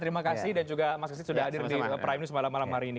terima kasih dan juga mas kesit sudah hadir di prime news malam malam hari ini